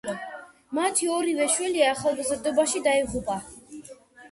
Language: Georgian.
მათი ორივე შვილი ახალგაზრდობაში დაიღუპა.